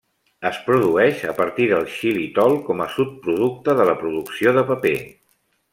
Es produeix a partir del xilitol, com a subproducte de la producció de paper.